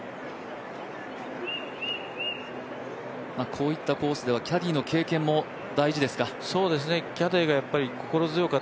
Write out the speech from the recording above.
こういったコースではキャディーの経験も大事ですか。